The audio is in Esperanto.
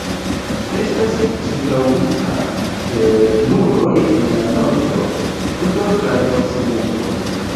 Ĝi estas ĉirkaŭita per muroj en la nordo, sudo kaj okcidento.